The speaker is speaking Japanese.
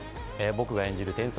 僕が演じる天才